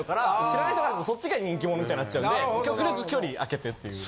知らない人からだとそっちが人気者みたいになっちゃうんで極力距離あけてっていう。